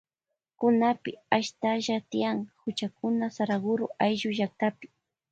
Kunapi ashtalla tiyan huchakuna Saraguroayllu llaktapi.